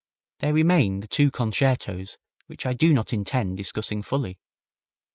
There remain the two concertos, which I do not intend discussing fully.